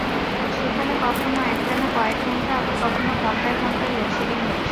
সেখানে কখনো একটানা কয়েক ঘণ্টা, আবার কখনো ঘণ্টায় ঘণ্টায় লোডশেডিং হচ্ছে।